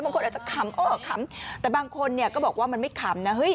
บางคนอาจจะขำเออขำแต่บางคนเนี่ยก็บอกว่ามันไม่ขำนะเฮ้ย